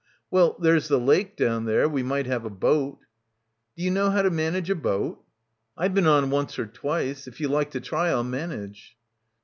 "Well — there's the lake down there. We might have a boat." "Do you know how to manage a boat?" "I've been on once or twice; if you like to try I'll manage."